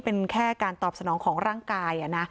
เป็นแค่การตอบสนองของร่างกาย